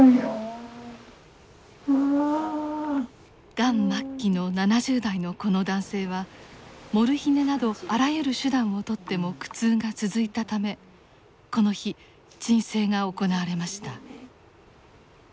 がん末期の７０代のこの男性はモルヒネなどあらゆる手段をとっても苦痛が続いたためこの日鎮静が行われました。